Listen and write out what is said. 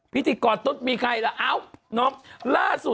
พิธีกรตุ๊ดมีใครล่ะเอ้าน้องล่าสุด